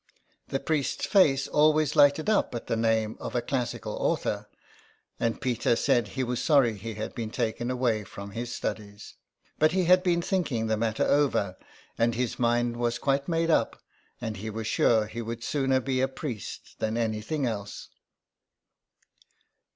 The priest's face always lighted up at the name of a classical author, and Peter said he was sorry he had been taken away from his studies. But he had been thinking the matter over, and his mind was quite made up, and he was sure he would sooner be a priest than anything else.